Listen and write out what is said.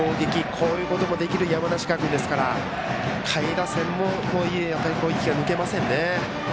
こういうこともできる山梨学院ですから下位打線とはいえ気を抜けませんね。